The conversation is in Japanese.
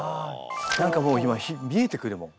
何かもう今見えてくるもん。